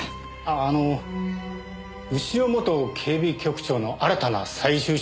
あの潮元警備局長の新たな再就職先は？